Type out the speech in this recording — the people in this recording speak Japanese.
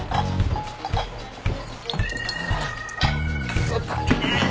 クソッ足りねえ。